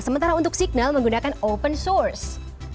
sementara untuk signal menggunakan open source